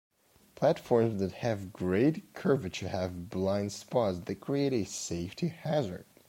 Platforms that have great curvature have blind spots that create a safety hazard.